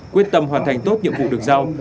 quyết tâm hoàn thành tốt nhiệm vụ được giao